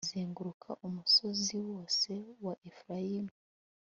azenguruka umusozi wose wa efurayimu